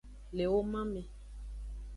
Le woman me.